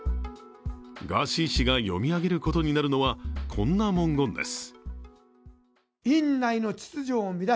ガーシー氏が読み上げることになるのは、こんな文言です。